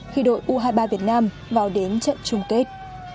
khi đội u hai mươi ba việt nam vào đến trận chung kết